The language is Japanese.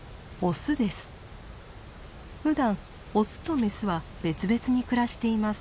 ふだんオスとメスは別々に暮らしています。